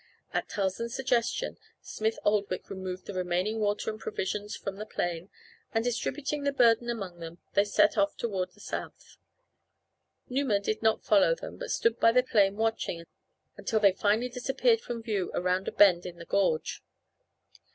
At Tarzan's suggestion Smith Oldwick removed the remaining water and provisions from the plane and, distributing the burden among them, they set off toward the south. Numa did not follow them, but stood by the plane watching until they finally disappeared from view around a bend in the gorge.